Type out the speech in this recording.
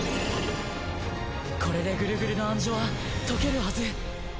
これでグルグルの暗示は解けるはず。